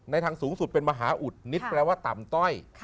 ทางสูงสุดเป็นมหาอุดนิดแปลว่าต่ำต้อย